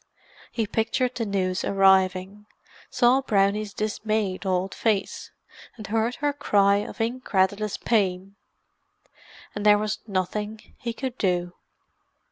He pictured the news arriving—saw Brownie's dismayed old face, and heard her cry of incredulous pain. And there was nothing he could do.